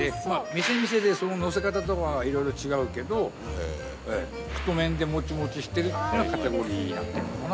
店店でのせ方とかはいろいろ違うけど太麺でもちもちしてるというのはカテゴリーになってるのかな。